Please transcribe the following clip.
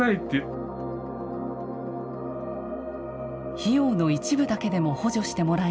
費用の一部だけでも補助してもらえないか